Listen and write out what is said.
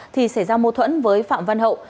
thì xảy ra mô thuẫn với phạm văn hậu